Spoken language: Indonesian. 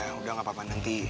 udah udah nggak apa apa nanti